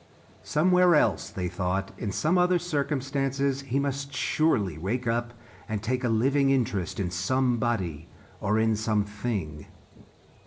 Somewhere else, they thought, in some other circumstances, he must surely wake up and take a living interest in somebody or in something.